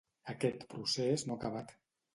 Aquest procés no ha acabat.